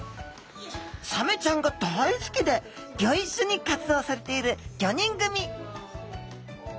サメちゃんが大好きでギョ一緒に活動されている５人組